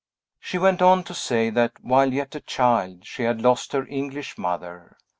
She went on to say that, while yet a child, she had lost her English mother.